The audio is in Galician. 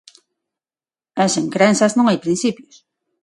E sen crenzas non hai principios.